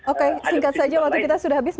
oke singkat saja waktu kita sudah habis